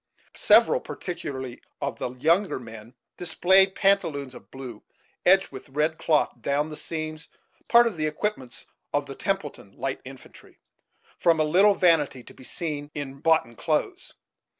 Several, particularly of the younger men, displayed pantaloons of blue, edged with red cloth down the seams part of the equipments of the "Templeton Light Infantry," from a little vanity to be seen in "boughten clothes."